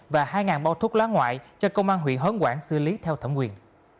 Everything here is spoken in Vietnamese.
và hai bao thuốc lá ngoại cho công an huyện hớn quản xử lý theo thẩm quyền